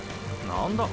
何だ？